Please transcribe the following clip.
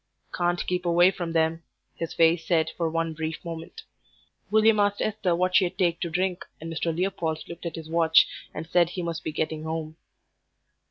"Can't keep away from them," his face said for one brief moment. William asked Esther what she'd take to drink, and Mr. Leopold looked at his watch and said he must be getting home.